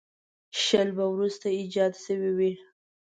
شل به وروسته ایجاد شوي وي.